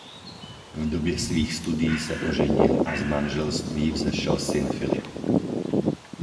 V době svých studií se oženil a z manželství vzešel syn Filip.